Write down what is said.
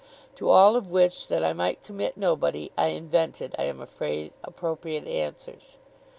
To all of which, that I might commit nobody, I invented, I am afraid, appropriate answers.